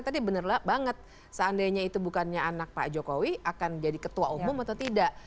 tadi bener banget seandainya itu bukannya anak pak jokowi akan jadi ketua umum atau tidak